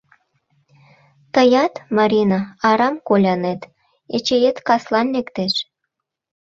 Тыят, Марина, арам колянет: Эчеет каслан лектеш...